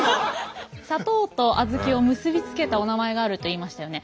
砂糖と小豆を結びつけたおなまえがあると言いましたよね。